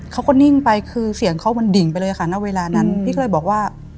เขาก็นิ่งไปคือเสียงเขามันดิ่งไปเลยค่ะณเวลานั้นพี่ก็เลยบอกว่า